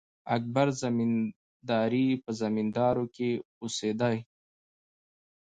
اکبر زمینداوری په زمینداور کښي اوسېدﺉ.